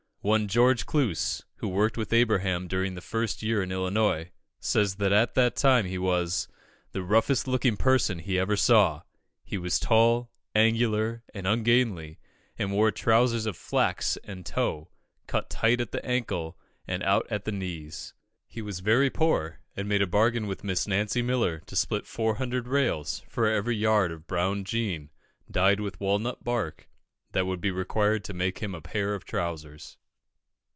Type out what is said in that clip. One George Cluse, who worked with Abraham during the first year in Illinois, says that at that time he was "the roughest looking person he ever saw: he was tall, angular, and ungainly, and wore trousers of flax and tow, cut tight at the ankle and out at the knees. He was very poor, and made a bargain with Mrs. Nancy Miller to split 400 rails for every yard of brown jean, dyed with walnut bark, that would be required to make him a pair of trousers."